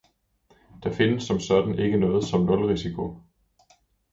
Der findes ikke sådan noget som nulrisiko.